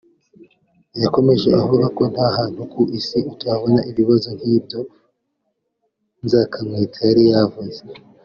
yakomeje avuga ko nta hantu ku isi utabona ibibazo nk’ibyo Nzakamwita yari yavuze